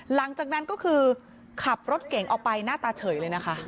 หลังจากนั้นก็คือขับรถเก่งออกไปหน้าตาเฉยเลยนะคะ